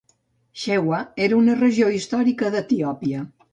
Shewa era una regió històrica d'Etiòpia.